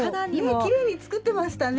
きれいに作ってましたね。